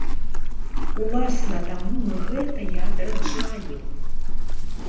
Уласна таму мы гэта і адраджаем.